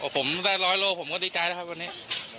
ผมได้ร้อยโลผมก็ดีใจแล้วครับวันนี้